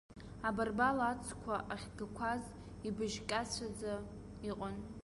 Абарбал ацқәа ахьгақәаз ибыжькаҵәаӡа иҟан.